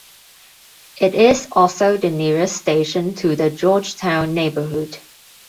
It is also the nearest station to the Georgetown neighborhood.